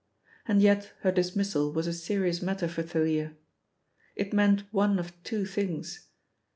And yet her dismissal was a serious matter for Thalia. It meant one of two things.